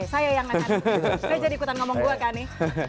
saya jadi ikutan ngomong gue kan nih